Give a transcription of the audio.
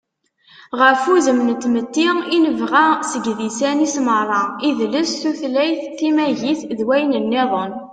ɣef wudem n tmetti i nebɣa seg yidisan-is meṛṛa: idles, tutlayt, timagit, d wayen-nniḍen